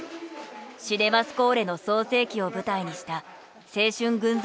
シネマスコーレの創成期を舞台にした青春群像劇。